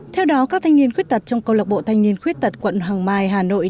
theo đó các thanh niên khuyết tật trong công lộc bộ thanh niên khuyết tật quận hàng mai hà nội